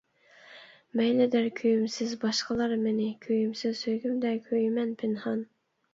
مەيلى دەر كۆيۈمسىز باشقىلار مېنى، كۆيۈمسىز سۆيگۈمدە كۆيىمەن پىنھان.